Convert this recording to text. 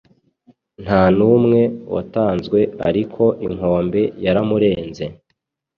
Ntanumwe watanzwe ariko inkombe yaramurenze